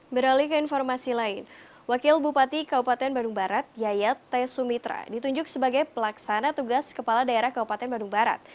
beralih ke informasi lain wakil bupati kabupaten bandung barat yayat t sumitra ditunjuk sebagai pelaksana tugas kepala daerah kabupaten bandung barat